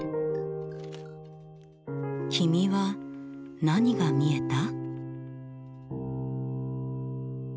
君は何が見えた？